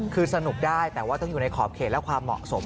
คือสนุกได้แต่ว่าต้องอยู่ในขอบเขตและความเหมาะสม